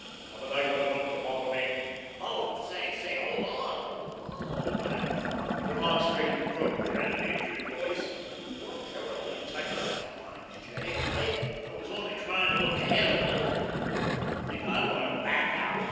Haven't I got enough to bother me?" "Oh, say! Say, hold on, hold on, old man," remonstrated the broker, in an injured voice. "You're terrible touchy sometimes, J., of late. I was only trying to look ahead a little. Don't think I want to back out.